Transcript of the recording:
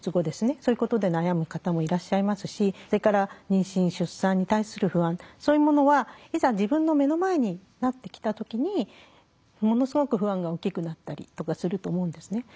そういうことで悩む方もいらっしゃいますしそれから妊娠出産に対する不安そういうものはいざ自分の目の前になってきた時にものすごく不安が大きくなったりとかすると思うんですね。